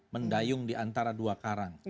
mendayung diantara dua karang